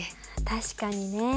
確かにね。